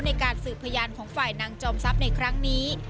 ในการสืบพยานของฝ่ายนางจอมทรัพย์ในครั้งนี้